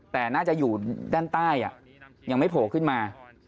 แต่น่าจะอยู่ด้านใต้ยังไม่โผล่ขึ้นมา